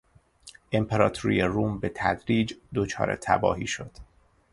امپراطوری روم به تدریج دچار تباهی شد.